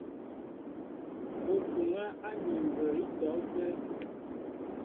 Ó tuŋɛ́ áni mbə̌ í tɔ̌ tə́ə́.